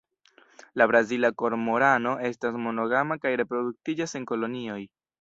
La Brazila kormorano estas monogama kaj reproduktiĝas en kolonioj.